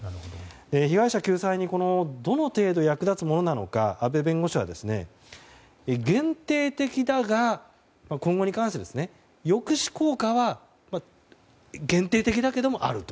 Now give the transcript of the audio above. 被害者救済にどの程度役立つものなのか阿部弁護士は今後に関して抑止効果は限定的だけどある。